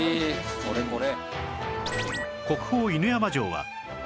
これこれ。